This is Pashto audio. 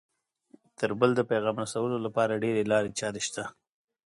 تر بل د پیغام رسولو لپاره ډېرې لارې چارې شته